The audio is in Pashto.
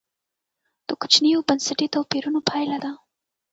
د کوچنیو بنسټي توپیرونو پایله ده.